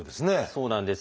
そうなんです。